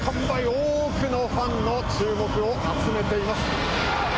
多くのファンの注目を集めています。